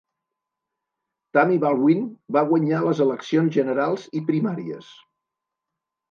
Tammy Baldwin va guanyar les eleccions generals i primàries.